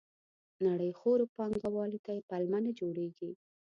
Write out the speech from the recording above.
نړیخورو پانګوالو ته یې پلمه نه جوړېږي.